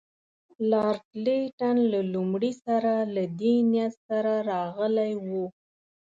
لارډ لیټن له لومړي سره له دې نیت سره راغلی وو.